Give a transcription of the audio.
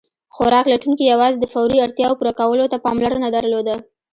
خوراک لټونکي یواځې د فوري اړتیاوو پوره کولو ته پاملرنه درلوده.